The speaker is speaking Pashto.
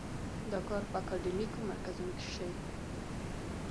دا کار په اکاډیمیکو مرکزونو کې شي.